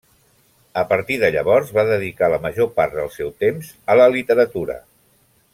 A partir de llavors va dedicar la major part del seu temps a la literatura.